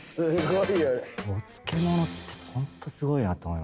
お漬物ってホントすごいなと思います。